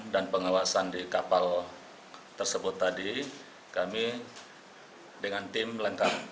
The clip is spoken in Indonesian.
dan pengawasan di kapal tersebut tadi kami dengan tim lengkap